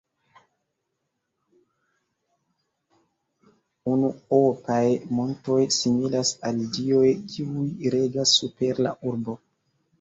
Unuopaj montoj similas al dioj, kiuj regas super la urbo.